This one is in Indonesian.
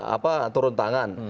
apa turun tangan